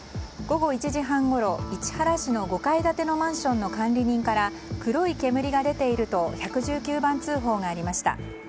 午後１時半ごろ市原市の５階建てのマンションの管理人から黒い煙が出ていると１１９番通報がありました。